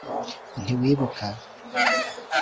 ntiwibuka